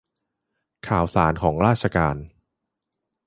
ข่าวสารของราชการ